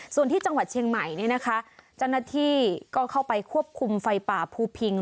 ส่วนที่เชียงใหม่จังหวัดชาวนาธิก็เข้าไปควบคุมไฟป่าภูปิง